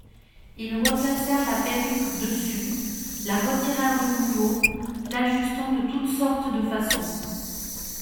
Ils replacèrent la perruque dessus, la retirèrent de nouveau, l'ajustant de toutes sortes de façons.